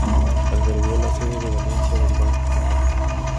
Albergó la sede en Valencia del Banco Coca.